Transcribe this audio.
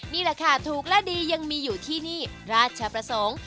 นี่แหละค่ะถูกและดียังมีอยู่ที่นี่ราชประสงค์